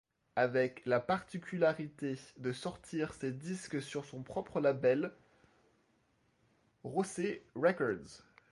Avec la particularité de sortir ses disques sur son propre label, José Records.